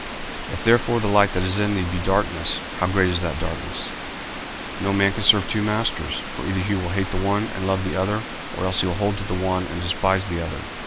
If therefore the light that is in thee be darkness, how great is that darkness! 40:006:024 No man can serve two masters: for either he will hate the one, and love the other; or else he will hold to the one, and despise the other.